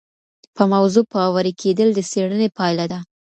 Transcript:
په موضوع باوري کيدل د څېړني پایله ده.